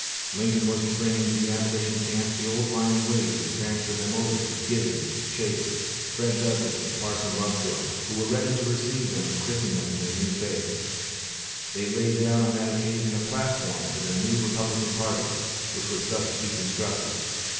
Lincoln was to bring into the Abolition camp the old line Whigs and transfer them over to Giddings, Chase, Fred Douglass, and Parson Lovejoy, who were ready to receive them and christen them in their new faith. They laid down on that occasion a platform for their new Republican party, which was thus to be constructed.